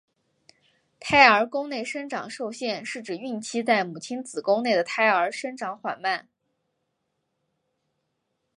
胎儿宫内生长受限是指孕期在母亲子宫内的胎儿生长缓慢。